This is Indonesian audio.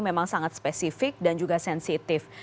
memang sangat spesifik dan juga sensitif